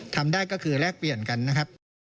ทำได้ก็คือแลกเปลี่ยนกันนะครับ